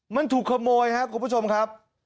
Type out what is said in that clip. มันถูกขโมยครับคุณผู้ชมครับ